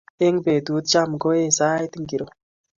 Eng betut Cham koee chaik sait ngiro?